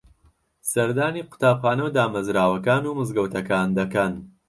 سەردانی قوتابخانە و دامەزراوەکان و مزگەوتەکان دەکەن